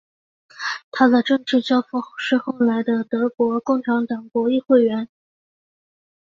他的政治教父是后来的德国共产党国会议员。